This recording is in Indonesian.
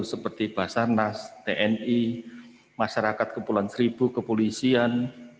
seperti basarnas tni masyarakat kepulauan seribu kepolisian